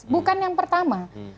bukan yang pertama